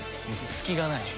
隙がない。